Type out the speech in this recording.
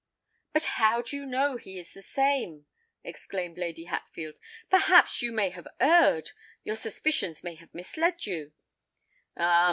"But how do you know he is the same?" exclaimed Lady Hatfield. "Perhaps you may have erred—your suspicions may have misled you——" "Ah!